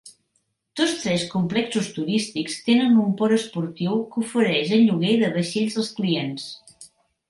Tots tres complexos turístics tenen un port esportiu que ofereix el lloguer de vaixells als clients.